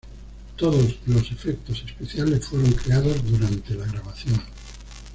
Todos los efectos especiales fueron creados durante la grabación.